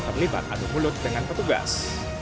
terlibat adu mulut dengan petugas